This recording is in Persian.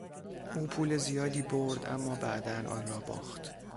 او پول زیادی برد اما بعدا آن را باخت.